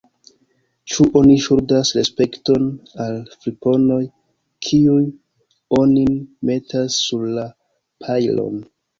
Ĉu oni ŝuldas respekton al friponoj, kiuj onin metas sur la pajlon.